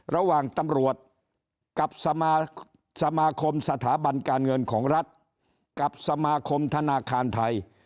ระหว่างตำรวจกับสมาคมสถาบันการเงินของรัฐกับสมาคมธนาคารไทย